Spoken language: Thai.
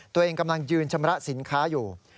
ตัวเองกำลังยืนชำระสินค้าอยู่